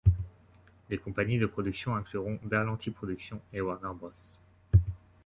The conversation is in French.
Les compagnies de production incluront Berlanti Productions et Warner Bros.